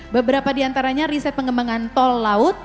beberapa diantaranya riset pengembangan tol laut